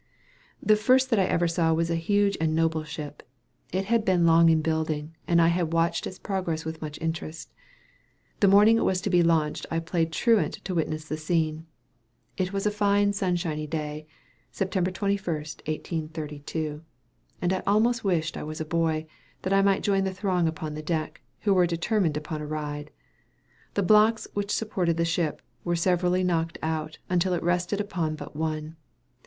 The first that I ever saw was a large and noble ship. It had been long in building, and I had watched its progress with much interest. The morning it was to be launched I played truant to witness the scene. It was a fine sunshiny day, Sept. 21, 1832; and I almost wished I was a boy, that I might join the throng upon the deck, who were determined upon a ride. The blocks which supported the ship were severally knocked out, until it rested upon but one.